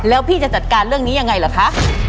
แล้วพี่จะจัดการเรื่องนี้ยังไงเหรอคะ